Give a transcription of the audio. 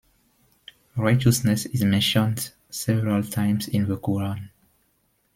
Righteousness is mentioned several times in the Qur'an.